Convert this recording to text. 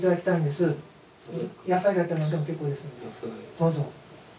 どうぞ。